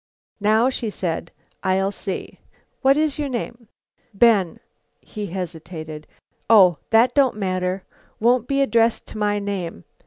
"Now," she said, "I'll see. What is your name?" "Ben " he hesitated. "Oh that don't matter. Won't be addressed to my name.